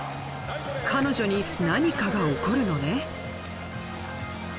彼女に何かが起こるのね。